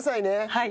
はい。